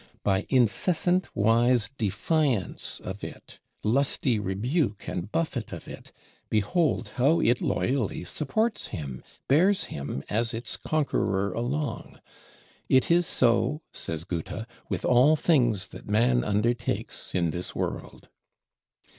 By incessant wise defiance of it, lusty rebuke and buffet of it, behold how it loyally supports him, bears him as its conqueror along. "It is so," says Goethe, "with all things that man undertakes in this world."